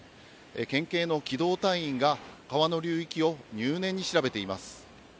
県警の機動隊員が川の流域を入念に調べています。